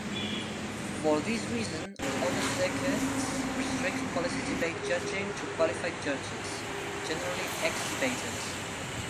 For this reason, other circuits restrict policy debate judging to qualified judges, generally ex-debaters.